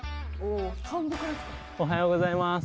おはようございます。